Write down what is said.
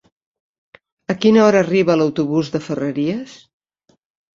A quina hora arriba l'autobús de Ferreries?